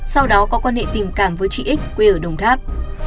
sau đó có quan hệ tình cảm với chị ích quê ở đồng tháp